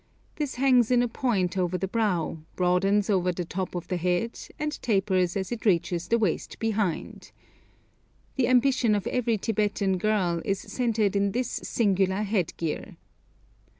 This hangs in a point over the brow, broadens over the top of the head, and tapers as it reaches the waist behind. The ambition of every Tibetan girl is centred in this singular headgear.